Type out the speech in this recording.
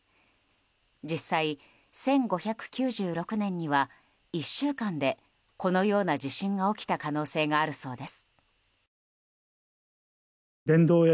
実際、１５９６年には１週間でこのような地震が起きた可能性があるそうです。